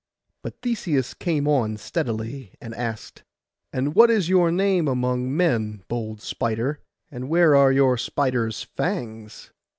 But Theseus came on steadily, and asked— 'And what is your name among men, bold spider? and where are your spider's fangs?